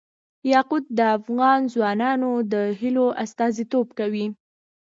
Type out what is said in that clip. یاقوت د افغان ځوانانو د هیلو استازیتوب کوي.